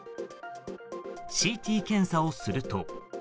ＣＴ検査をすると。